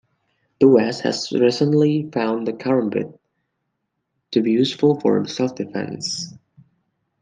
The West has recently found the karambit to be useful for self-defense.